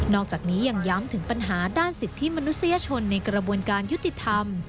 อกจากนี้ยังย้ำถึงปัญหาด้านสิทธิมนุษยชนในกระบวนการยุติธรรม